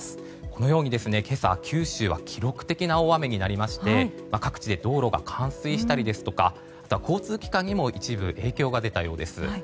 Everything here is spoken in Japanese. このように今朝、九州は記録的な大雨になりまして各地で道路が冠水したり交通機関にも一部影響が出たようです。